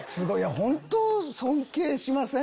本当尊敬しません？